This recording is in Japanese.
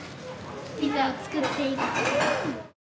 ピザを作っていく。